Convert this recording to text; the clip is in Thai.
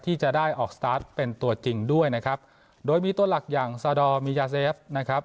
ที่จะได้ออกสตาร์ทเป็นตัวจริงด้วยนะครับโดยมีตัวหลักอย่างซาดอร์มียาเซฟนะครับ